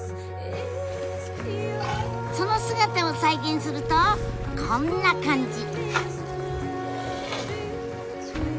その姿を再現するとこんな感じ。